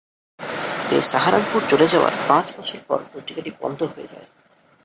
তিনি সাহারানপুর চলে যাওয়ায় পাঁচ বছর পর পত্রিকাটি বন্ধ হয়ে যায়।